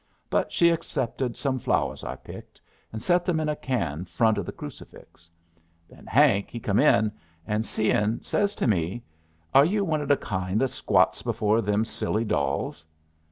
But she accepted some flowers I picked, and set them in a can front of the crucifix. Then Hank he come in, and seein', says to me, 'Are you one of the kind that squats before them silly dolls?'